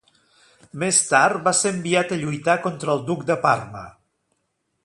Més tard, va ser enviat a lluitar contra el duc de Parma.